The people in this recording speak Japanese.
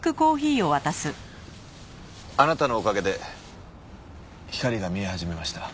あなたのおかげで光が見え始めました。